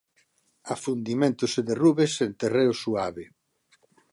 Afundimentos e derrubes en terreo suave.